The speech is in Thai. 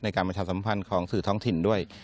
การประชาสัมพันธ์ของสื่อท้องถิ่นด้วย